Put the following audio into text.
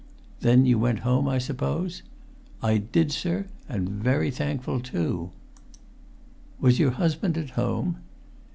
"Then you went home, I suppose?" "I did, sir, and very thankful to!" "Was your husband at home?"